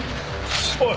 おい！